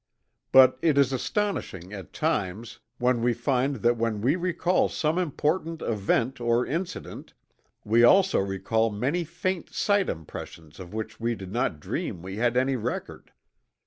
But it is astonishing, at times, when we find that when we recall some important event or incident we also recall many faint sight impressions of which we did not dream we had any record.